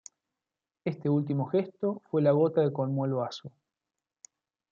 Este último gesto fue la gota que colmó el vaso.